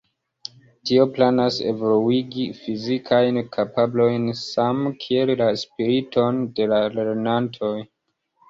Tio planas evoluigi fizikajn kapablojn same kiel la spiriton de la lernantoj.